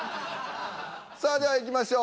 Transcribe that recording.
さあではいきましょう。